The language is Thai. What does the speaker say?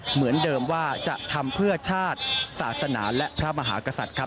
เหมือนเดิมว่าจะทำเพื่อชาติศาสนาและพระมหากษัตริย์ครับ